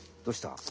どうした？